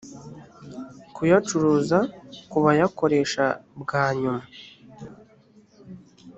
kuyacuruza ku bayakoresha bwa nyuma